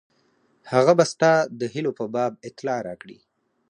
هغه به ستا د هیلو په باب اطلاع راکړي.